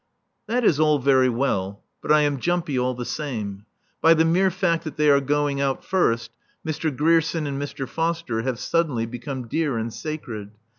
That is all very well. But I am jumpy all the same. By the mere fact that they are going out first Mr. Grierson and Mr. Foster have suddenly become dear and sacred.